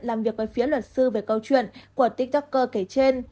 làm việc với phía luật sư về câu chuyện của tiktoker kể trên